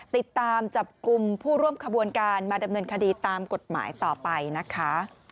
ติดตามจับกลุ่มผู้ร่วมขบวนการมาดำเนินคดีตามกฎหมายต่อไปนะคะ